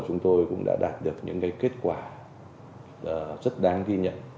chúng tôi cũng đã đạt được những kết quả rất đáng ghi nhận